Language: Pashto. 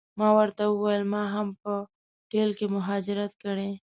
ما ورته وویل ما هم په ټل کې مهاجرت کړی.